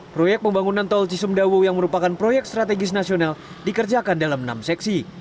proyek pembangunan tol cisumdawu yang merupakan proyek strategis nasional dikerjakan dalam enam seksi